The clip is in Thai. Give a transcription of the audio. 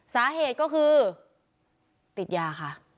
สาเหตุก็คือติดยาค่ะ